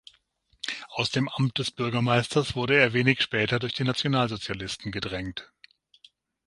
Aus dem Amt des Bürgermeisters wurde er wenig später durch die Nationalsozialisten gedrängt.